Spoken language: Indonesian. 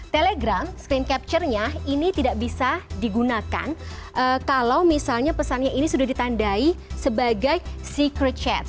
telegram screen capture nya ini tidak bisa digunakan kalau misalnya pesannya ini sudah ditandai sebagai secret chat